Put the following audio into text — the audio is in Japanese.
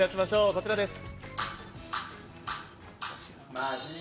こちらです。